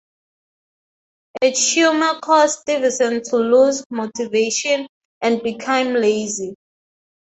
The tumor caused Stevenson to lose motivation and become lazy.